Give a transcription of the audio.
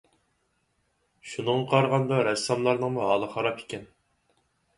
شۇنىڭغا قارىغاندا، رەسساملارنىڭمۇ ھالى خاراب ئىكەن.